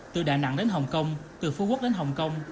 từ đà nẵng đến hồng kông từ phú quốc đến hồng kông